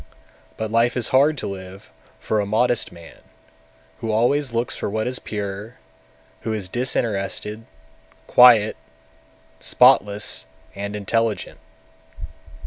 245. But life is hard to live for a modest man, who always looks for what is pure, who is disinterested, quiet, spotless, and intelligent.